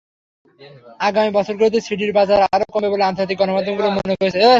আগামী বছরগুলোতে সিডির বাজার আরও কমবে বলে আন্তর্জাতিক গণমাধ্যমগুলো মনে করছে।